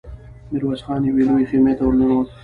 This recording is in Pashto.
ميرويس خان يوې لويې خيمې ته ور ننوت.